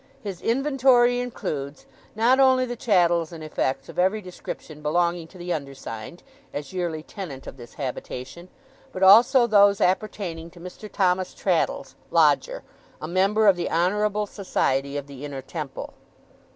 His inventory includes, not only the chattels and effects of every description belonging to the undersigned, as yearly tenant of this habitation, but also those appertaining to Mr. Thomas Traddles, lodger, a member of the Honourable Society of the Inner Temple.